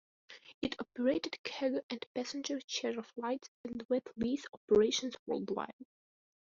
It operated cargo and passenger charter flights, and wet lease operations worldwide.